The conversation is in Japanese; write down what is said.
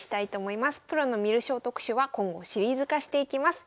プロの観る将特集は今後シリーズ化していきます。